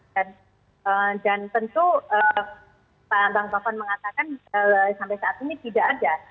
dan tentu pak ambang bafan mengatakan sampai saat ini tidak ada